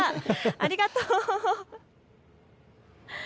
ありがとう。